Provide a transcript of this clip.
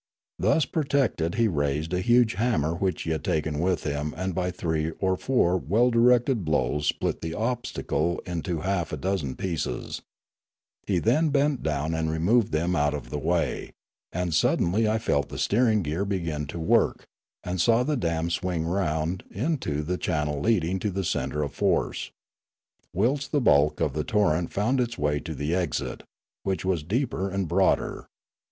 Thus protected he raised a huge hammer which he had taken with him and by three or four well directed blows split the obstacle into half a dozen pieces; he then bent down and removed them out of the way, and suddenly I felt the steering gear begin to work, and saw the dam swing round into the channel leading to the centre of force, whilst the bulk of the torrent found its way into the exit, which was deeper and broader.